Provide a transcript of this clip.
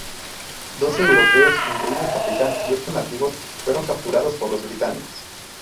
Doce europeos, incluido el capitán, y ocho nativos, fueron capturados por los británicos.